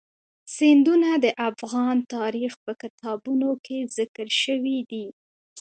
سیندونه د افغان تاریخ په کتابونو کې ذکر شوی دي.